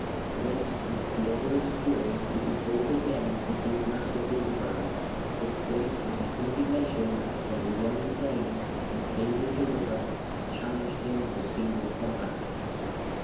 Great was Theodoric's joy to behold again the good Master Hildebrand; but great was his indignation when the young Dane, who came with Hildebrand, challenged him to single combat.